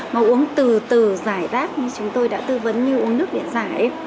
mà uống từ từ giải đáp như chúng tôi đã tư vấn như uống nước để giải